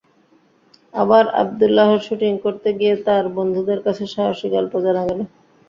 আবার আবদুল্লাহর শুটিং করতে গিয়ে তাঁর বন্ধুদের কাছে সাহসী গল্প জানা গেল।